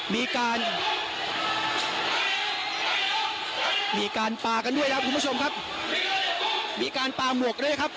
มีการป่ากันด้วยนะครับคุณผู้ชมครับมีการป่ามวกด้วยนะครับ